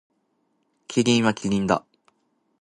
キリンはキリンだ。